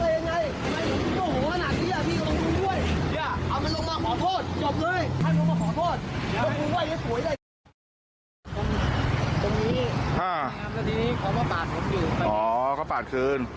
แล้วเค้าก็ปั้นอันนนี้แล้วก็ฝ่าย